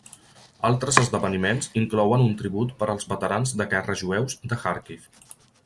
Altres esdeveniments inclouen un tribut per als veterans de guerra jueus de Khàrkiv.